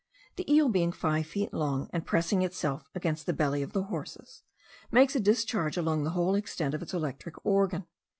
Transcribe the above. The eel being five feet long, and pressing itself against the belly of the horses, makes a discharge along the whole extent of its electric organ.